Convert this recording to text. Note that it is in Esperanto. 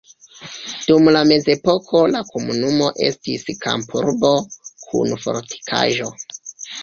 Dum la mezepoko la komunumo estis kampurbo kun fortikaĵo.